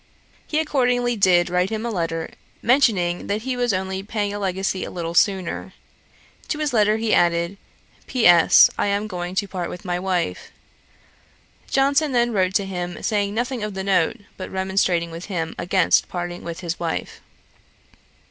He accordingly did write him a letter, mentioning that he was only paying a legacy a little sooner. To his letter he added, "P.S. I am going to part with my wife." Johnson then wrote to him, saying nothing of the note, but remonstrating with him against parting with his wife.'